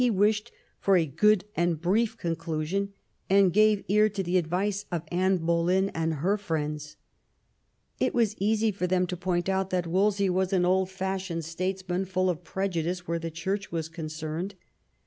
wished for a " good and brief conclusion," and gave ear to the advice of Anne Boleyn and her frienda It was easy for them to point out that Wolsey was an old fashioned statesman, full of prejudice where the Church was concerned.